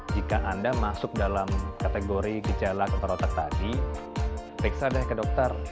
jika anda masuk dalam kategori gejala atau otak tadi periksa deh ke dokter